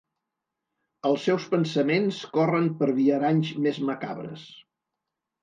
Els seus pensaments corren per viaranys més macabres.